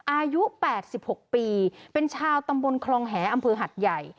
อายุ๘๖ปีเป็นชาวตำบลคลองแหอำเภอหัดใหญ่